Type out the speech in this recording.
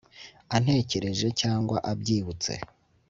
antekereje cyangwa abyibutse